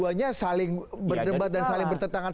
dua duanya saling berdebat dan saling bertentangan